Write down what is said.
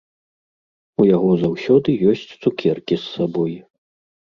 У яго заўсёды ёсць цукеркі з сабой.